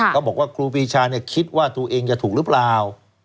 เขาบอกว่าครูปีชาคิดว่าตัวเองจะถูกหรือเปล่า